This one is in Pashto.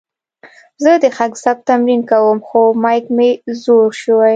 زه د غږ ثبت تمرین کوم، خو میک مې زوړ شوې.